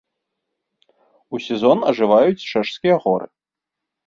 У сезон ажываюць чэшскія горы.